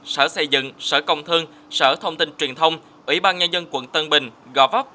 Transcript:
sở xây dựng sở công thương sở thông tin truyền thông ủy ban nhân dân quận tân bình gò vấp